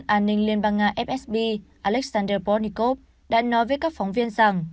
cơ quan an ninh liên bang nga fsb alexander pornikov đã nói với các phóng viên rằng